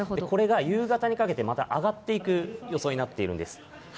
これが夕方にかけてまた上がっていく予想になっているんです。